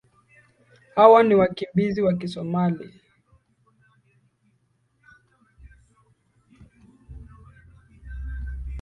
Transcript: hawa ni wakimbizi wa kisomali